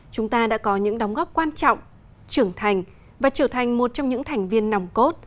chúng ta đã có những đóng góp quan trọng trưởng thành và trở thành một trong những thành viên nòng cốt